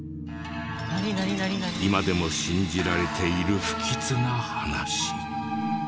今でも信じられている不吉な話。